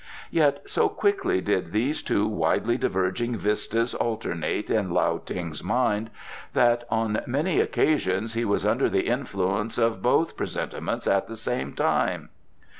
Yet so quickly did these two widely diverging vistas alternate in Lao Ting's mind that on many occasions he was under the influence of both presentiments at the same time.